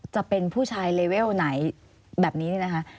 จะเป็นผู้ชายเลเวลไหนแบบนี้